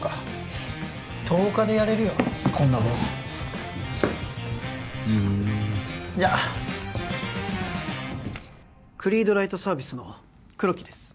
フッ１０日でやれるよこんなもんふんじゃあクリードライト・サービスの黒木です